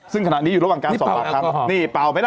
ซึ่งขณะนี้อยู่ระหว่างการสอบปากคำนี่เปล่าไหมล่ะ